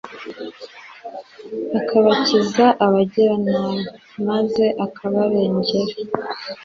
akabakiza abagiranabi, maze akabarengera